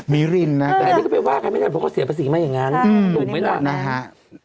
มิรินนะครับพวกเขาเสียภาษีมาอย่างนั้นถูกไหมครับนะฮะอืม